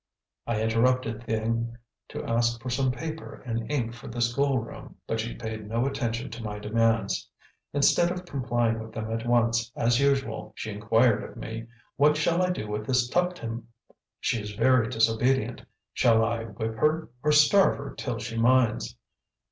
I interrupted Thieng to ask for some paper and ink for the school room, but she paid no attention to my demands. Instead of complying with them at once, as usual, she inquired of me, "What shall I do with this Tuptim? She is very disobedient. Shall I whip her, or starve her till she minds?"